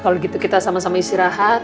kalau gitu kita sama sama istirahat